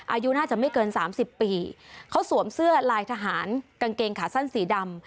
อายุน่าจะไม่เกินสามสิบปีเขาสวมเสื้อลายทหารกางเกงขาสั้นสีดำ